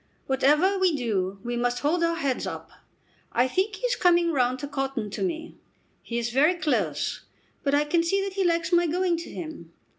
"Whatever we do we must hold our heads up. I think he is coming round to cotton to me. He is very close, but I can see that he likes my going to him.